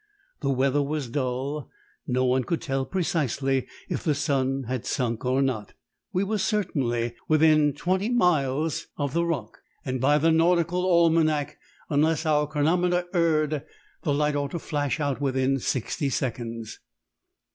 The weather was dull: no one could tell precisely if the sun had sunk or not. We were certainly within twenty miles of the rock, and by the Nautical Almanack, unless our chronometer erred, the light ought to flash out within sixty seconds.